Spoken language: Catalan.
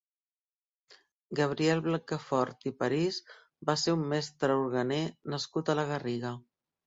Gabriel Blancafort i París va ser un mestre orguener nascut a la Garriga.